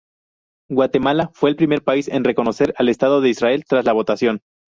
Guatemala fue el primer país en reconocer al Estado de Israel tras la votación.